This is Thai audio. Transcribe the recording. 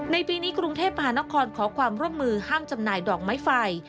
ปีนี้กรุงเทพมหานครขอความร่วมมือห้ามจำหน่ายดอกไม้ไฟ